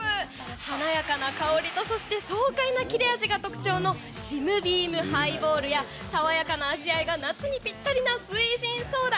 華やかな香りと爽快な切れ味が特徴のジムビームハイボールや爽やかな味わいが夏にぴったりな翠ジンソーダ。